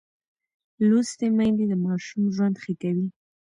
لوستې میندې د ماشوم ژوند ښه کوي.